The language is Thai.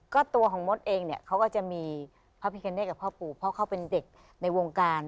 ก็ตัวของมดเองเนี่ยเขาก็จะมีพระพิคเนตกับพ่อปู่เพราะเขาเป็นเด็กในวงการ